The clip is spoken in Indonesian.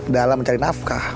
dalam cari nafkah